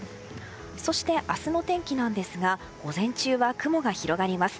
そして、明日の天気なんですが午前中は雲が広がります。